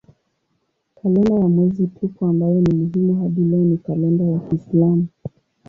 Kalenda ya mwezi tupu ambayo ni muhimu hadi leo ni kalenda ya kiislamu.